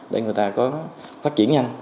để người ta có phát triển nhanh